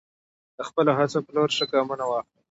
د خپلو هڅو په لور ښه ګامونه واخلئ.